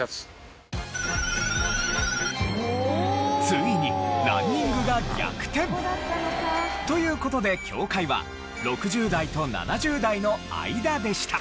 ついにランニングが逆転！という事で境界は６０代と７０代の間でした。